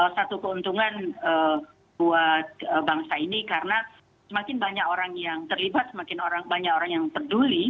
satu keuntungan buat bangsa ini karena semakin banyak orang yang terlibat semakin banyak orang yang peduli